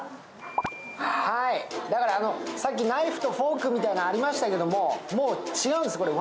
だからさっきナイフとフォークみたいなのがありましたけど、もう違うんです、これは。